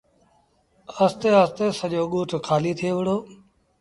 آهستي آهستي سڄو ڳوٺ کآليٚ ٿئي وُهڙو۔